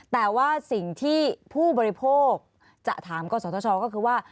แต่ว่าสิ่งที่ผู้บริโภคจะถามกศธชก็คือว่า